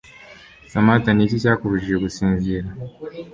Samantha Niki cyakubujije gusinzira